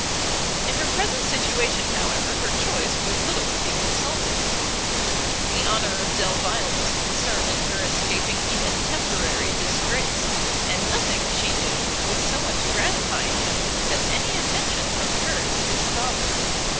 In her present situation, however, her choice was little to be consulted: the honour of Delvile was concerned in her escaping even temporary disgrace, and nothing, she knew, would so much gratify him, as any attention from her to his father.